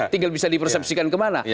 tinggal bisa di persepsikan kemana